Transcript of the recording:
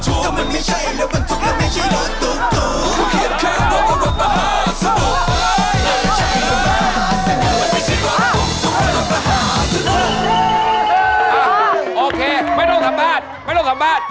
โอเคไม่ต้องทำบ้าน